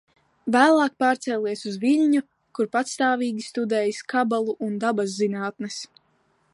Vēlāk pārcēlies uz Viļņu, kur patstāvīgi studējis Kabalu un dabaszinātnes.